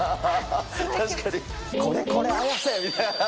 確かに、これこれ、Ａｙａｓｅ！みたいな。